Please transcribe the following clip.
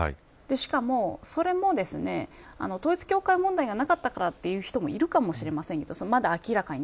しかも、それも統一教会問題がなかったからと言う人もいるかもしれません。